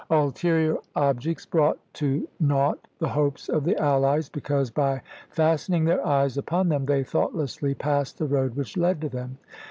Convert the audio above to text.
Ulterior objects brought to nought the hopes of the allies, because, by fastening their eyes upon them, they thoughtlessly passed the road which led to them.